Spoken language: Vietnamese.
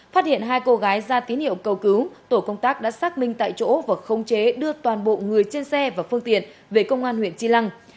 phát hiện hai cô gái ra tín hiệu cầu cứu tổ công tác đã xác minh tại chỗ và không chế đưa toàn bộ người trên xe và phương tiện về công an huyện tri lăng